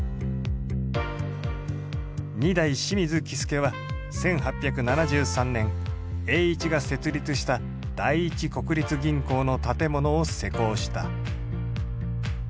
二代清水喜助は１８７３年栄一が設立した第一国立銀行の建物を施工した。